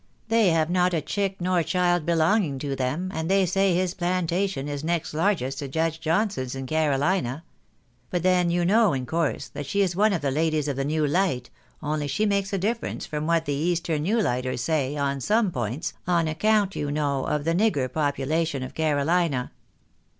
" They have not a chick nor child belonging to them, and they say his plantation is next largest to Judge Johnson's in Carolina. But then, you know, in course, that she is one of the ladies of the new light, only she makes a difference from what the eastern new lighters say, on some points, on account you know of the nigger population of Carolina."